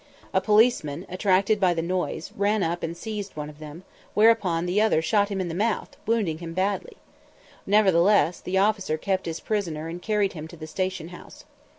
A policeman, attracted by the noise, ran up and seized one of them, whereupon the other shot him in the mouth, wounding him badly. Nevertheless, the officer kept his prisoner and carried him to the station house.